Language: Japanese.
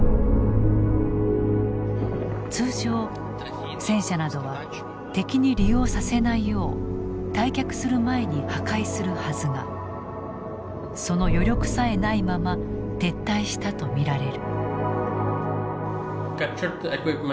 通常戦車などは敵に利用させないよう退却する前に破壊するはずがその余力さえないまま撤退したと見られる。